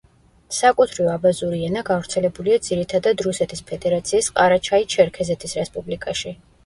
საკუთრივ აბაზური ენა გავრცელებულია ძირითადად რუსეთის ფედერაციის ყარაჩაი-ჩერქეზეთის რესპუბლიკაში.